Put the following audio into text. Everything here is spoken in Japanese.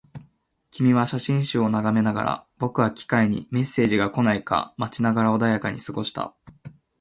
君は写真集を眺めながら、僕は機械にメッセージが来ないか待ちながら穏やかに過ごした